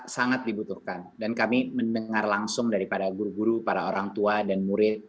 sangat dibutuhkan dan kami mendengar langsung daripada guru guru para orang tua dan murid